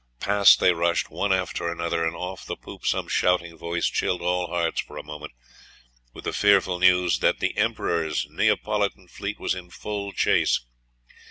Past they rushed, one after another; and off the poop some shouting voice chilled all hearts for a moment, with the fearful news that the Emperor's Neapolitan fleet was in full chase....